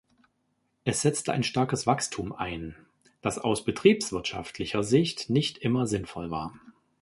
Es setzte ein starkes Wachstum ein, das aus betriebswirtschaftlicher Sicht nicht immer sinnvoll war.